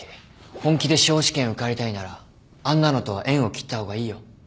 本気で司法試験受かりたいならあんなのとは縁を切った方がいいよ。